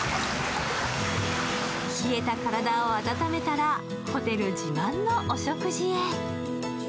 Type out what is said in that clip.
冷えた体を温めたらホテル自慢のお食事へ。